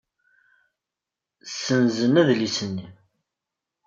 Ssenzen adlis-nni.